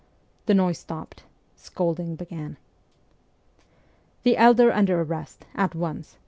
The noise stopped. Scolding began. ' The elder under arrest, at once